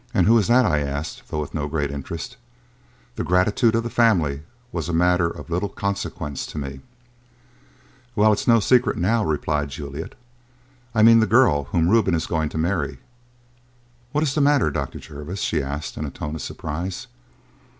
"And who is that?" I asked, though with no great interest. The gratitude of the family was a matter of little consequence to me. "Well, it is no secret now," replied Juliet. "I mean the girl whom Reuben is going to marry. What is the matter, Dr. Jervis?" she added, in a tone of surprise.